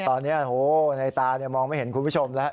ตอนนี้ในตามองไม่เห็นคุณผู้ชมแล้ว